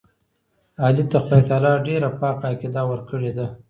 علي ته خدای تعالی ډېره پاکه عقیده ورکړې ده.